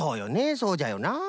そうじゃよな。